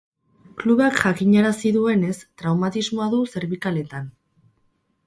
Klubak jakinarazi duenez, traumatismoa du zerbikaletan.